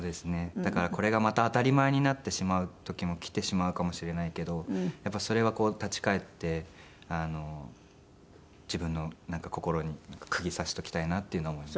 だからこれがまた当たり前になってしまう時も来てしまうかもしれないけどやっぱりそれは立ち返って自分の心にクギ刺しておきたいなっていうのは思いますね。